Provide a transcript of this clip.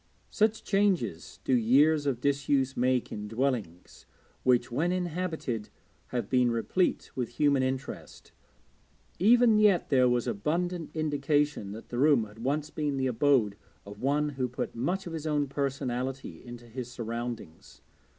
Such changes do years of disuse make in dwellings which, when inhabited, have been replete with human interest. Even yet there was abundant indication that the room had once been the abode of one who put much of his own personality into his surroundings.